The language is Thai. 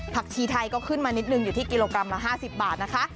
ทีไทยก็ขึ้นมานิดนึงอยู่ที่กิโลกรัมละ๕๐บาทนะคะ